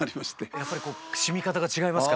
やっぱりしみ方が違いますか？